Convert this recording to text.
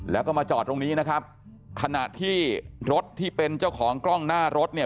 แล้วก็มาจอดตรงนี้นะครับขณะที่รถที่เป็นเจ้าของกล้องหน้ารถเนี่ย